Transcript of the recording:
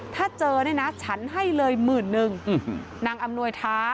ถ้าเจอเนี่ยนะฉันให้เลยหมื่นนึงนางอำนวยท้า